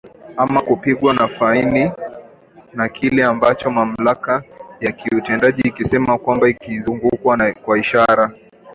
ama kupigwa faini na kile ambacho mamlaka za kiutendaji ikisema kwamba kukiukwa kwa sharia